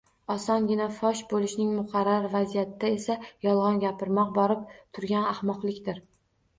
Osongina fosh bo‘lishing muqarrar vaziyatda esa yolg‘on gapirmoq —borib turgan ahmoqlikdir!